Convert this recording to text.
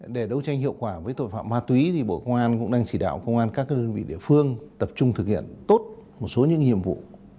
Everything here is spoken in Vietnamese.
để đấu tranh hiệu quả với tội phạm ma túy thì bộ công an cũng đang chỉ đạo công an các đơn vị địa phương tập trung thực hiện tốt một số những nhiệm vụ